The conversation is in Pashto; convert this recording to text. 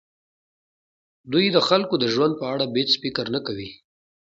دوی د خلکو د ژوند په اړه بېڅ فکر نه کوي.